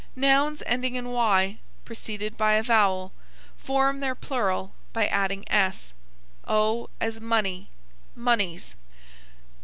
Nouns ending in y, preceded by a vowel, form their plural by adding s; o as money, moneys.